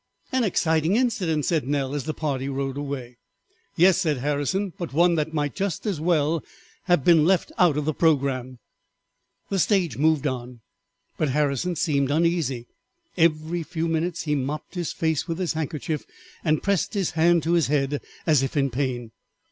"An exciting incident," said Nell, as the party rode away. "Yes," said Harrison, "but one that might just as well have been left out of the programme." The stage moved on, but Harrison seemed uneasy; every few minutes he mopped his face with his handkerchief and pressed his hand to his head as if in pain.